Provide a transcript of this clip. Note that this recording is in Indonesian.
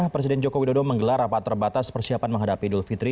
presiden joko widodo menggelar rapat terbatas persiapan menghadapi dulfitri